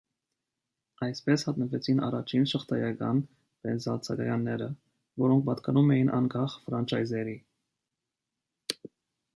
Այսպես հայտնվեցին առաջին շղթայական բենզալցակայանները, որոնք պատկանում էին անկախ ֆրանչայզերի։